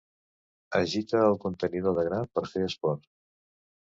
Agita el contenidor de gra per fer esport.